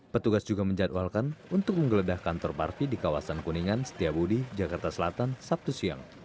petugas juga menjadwalkan untuk menggeledah kantor parvi di kawasan kuningan setiabudi jakarta selatan sabtu siang